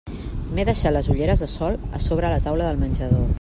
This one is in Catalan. M'he deixat les ulleres de sol a sobre la taula del menjador.